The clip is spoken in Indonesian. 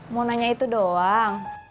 mau nanya itu doang